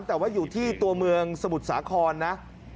แต่ว่าอยู่ที่ตัวเมืองสมุทรสาครนะ